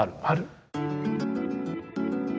ある。